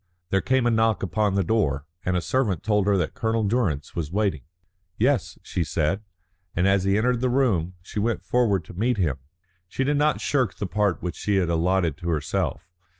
There came a knock upon the door, and a servant told her that Colonel Durrance was waiting. "Yes," she said, and as he entered the room she went forward to meet him. She did not shirk the part which she had allotted to herself.